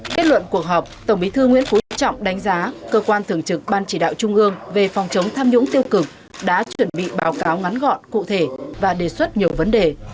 kết luận cuộc họp tổng bí thư nguyễn phú trọng đánh giá cơ quan thường trực ban chỉ đạo trung ương về phòng chống tham nhũng tiêu cực đã chuẩn bị báo cáo ngắn gọn cụ thể và đề xuất nhiều vấn đề